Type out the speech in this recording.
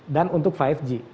dan untuk lima g